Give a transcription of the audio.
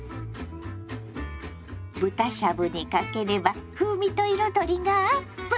豚しゃぶにかければ風味と彩りがアップ。